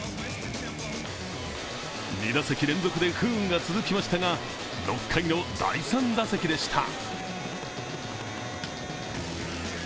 ２打席連続で不運が続きましたが６回の第３打席でした。